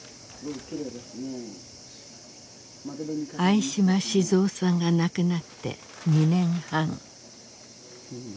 相嶋静夫さんが亡くなって２年半。